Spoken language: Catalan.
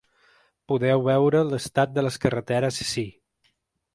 Podeu veure l’estat de les carreteres ací.